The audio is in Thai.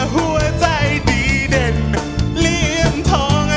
หัวใจดีเด่นเหลี่ยมทอง